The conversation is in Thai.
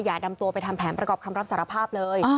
นำตัวไปทำแผนประกอบคำรับสารภาพเลย